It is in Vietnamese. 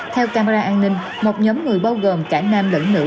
theo camera an ninh một nhóm người bao gồm cả nam lẫn nữ